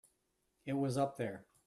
It was up there.